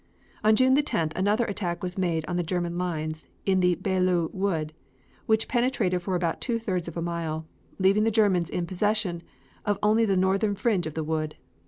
On June the 10th, another attack was made on the German lines in the Belleau Wood, which penetrated for about two thirds of a mile, leaving the Germans in possession of only the northern fringe of the Wood.